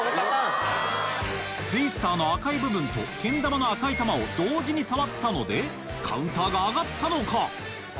ツイスターの赤い部分とけん玉の赤い玉を同時に触ったのでカウンターが上がったのか？